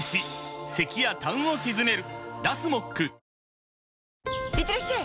「氷結」いってらっしゃい！